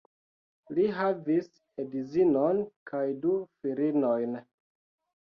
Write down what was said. Li havis edzinon kaj du filinojn.